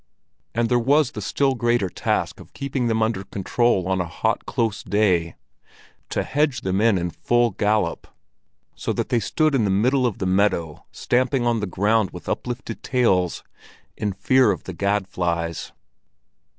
And there was the still greater task of keeping them under control on a hot, close day—to hedge them in in full gallop, so that they stood in the middle of the meadow stamping on the ground with uplifted tails, in fear of the gad flies.